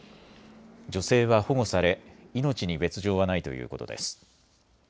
女性は保護され命に別状はないということです。